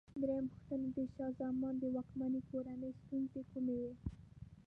درېمه پوښتنه: د شاه زمان د واکمنۍ کورنۍ ستونزې کومې وې؟